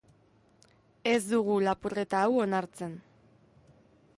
Ez dugu lapurreta hau onartzen.